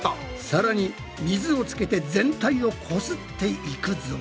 さらに水をつけて全体をこすっていくぞ。